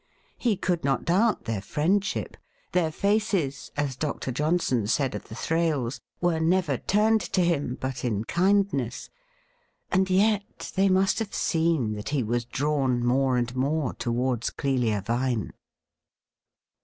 He could not doubt their friendship; their faces — as Dr. Johnson said of the Thrales — were never turned to him but in kindness ; and yet they must have seen that he was drawn more and mort towards Clelia Vine.